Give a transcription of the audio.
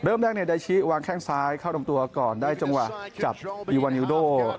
เริ่มแรกไดชี้วางแค่งซ้ายเข้าล่มตัวก่อนได้จังหวะจับอิวาเนอะไร์ดู